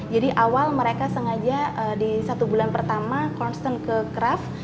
jadi awal mereka sengaja di satu bulan pertama constant ke craft